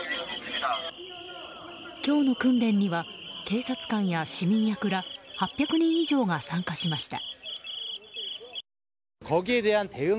今日の訓練には警察官や市民役ら８００人以上が参加しました。